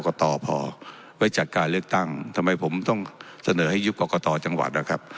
ต่อพอไว้จัดการเลือกตั้งทำไมผมต้องเสนอให้ยุบกรกตจังหวัดนะครับ